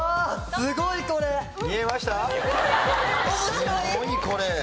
「すごいこれ」。